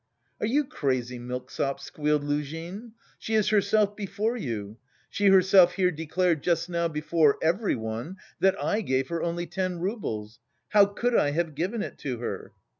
"Are you crazy, milksop?" squealed Luzhin. "She is herself before you she herself here declared just now before everyone that I gave her only ten roubles. How could I have given it to her?"